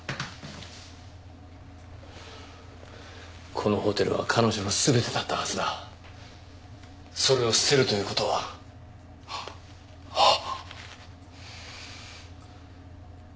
このホテルは彼女のすべてだったはずだそれを捨てるということはあっあっ！